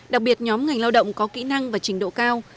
đặc biệt nhóm ngành lao động có kỹ năng và trình độ cao